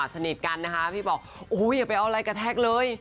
สนิทกันนะคะพี่บอกโอ้โหอย่าไปเอาอะไรกระแทกเลย